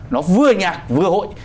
nó vừa nhạc vừa hội